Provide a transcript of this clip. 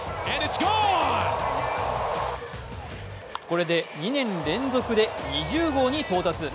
これで２年連続で２０号に到達。